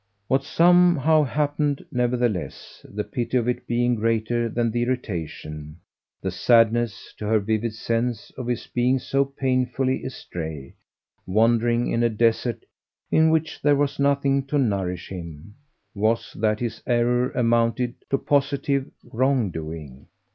What somehow happened, nevertheless, the pity of it being greater than the irritation the sadness, to her vivid sense, of his being so painfully astray, wandering in a desert in which there was nothing to nourish him was that his error amounted to positive wrongdoing.